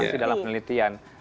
masih dalam penelitian